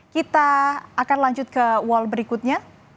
kita akan lanjut ke well berikutnya